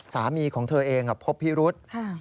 สามีของเธอเองพบพิรุษ